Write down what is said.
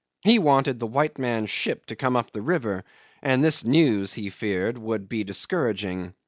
He wanted the white man's ship to come up the river, and this news, he feared, would be discouraging.